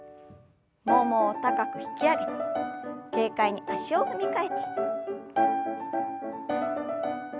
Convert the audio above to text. ももを高く引き上げて軽快に足を踏み替えて。